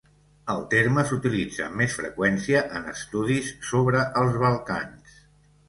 El terme s'utilitza amb més freqüència en estudis sobre els Balcans.